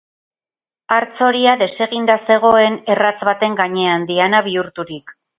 Hartz horia deseginda zegoen erratz baten gainean, diana bihurturik.